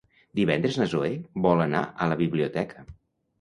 Divendres na Zoè vol anar a la biblioteca.